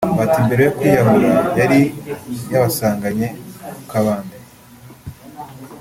Bati” Mbere yo kwiyahura yari yabasanganye mu kabande